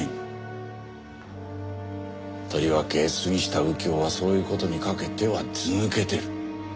とりわけ杉下右京はそういう事にかけては図抜けてる。